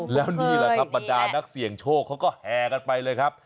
แล้วนี่แหละครับบรรดานักเสี่ยงโชคเขาก็แห่กันไปเลยครับ